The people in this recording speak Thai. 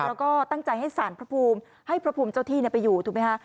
แล้วก็ตั้งใจให้สารพระภูมิให้พระภูมิเจ้าที่ไปอยู่ถูกไหมคะ